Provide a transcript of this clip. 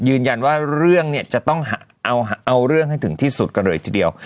ยืนยันว่าเรื่องเนี่ยจะต้องเอาเรื่องให้ถึงที่สุดกันเลยทีเดียว